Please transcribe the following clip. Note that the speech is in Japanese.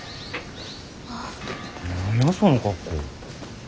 何やその格好。